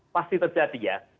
pasti terjadi ya